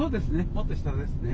もっと下ですね。